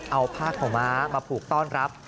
เอาผ้าขาวม้ามาผูกต้อนรับ